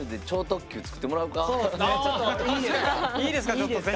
いいですか？